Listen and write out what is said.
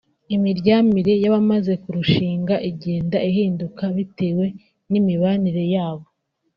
Imiryamire y’abamaze kurushinga igenda ihinduka bitewe n’imibanire yabo